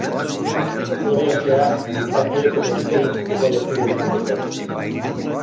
Historian zehar, gizakiek betiko bizitzeko desira izan dute.